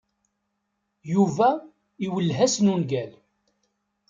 Yuba iwelleh-asen ungal.